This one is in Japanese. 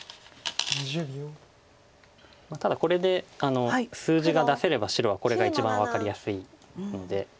ただこれで数字が出せれば白はこれが一番分かりやすいので。